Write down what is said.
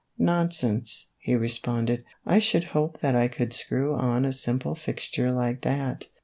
" Nonsense," he responded, " I should hope that I could screw on a simple fixture like that.